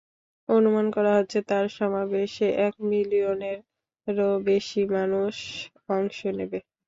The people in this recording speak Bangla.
অনুমান করা হচ্ছে তার সমাবেশে এক মিলিয়নেরও বেশি মানুষ অংশ নেবে।